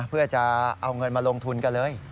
เพื่อจะเอาเงินมาลงทุนกันเลย